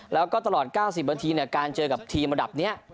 แล้วก็ตลอด๙๐วันทีเนี่ยการเจอกับทีมอันดับเนี่ย